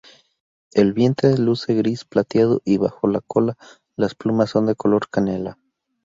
El vientre luce gris plateado y bajo la cola las plumas son color canela.